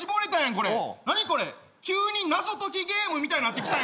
これ何これ急に謎解きゲームみたいになってきたよ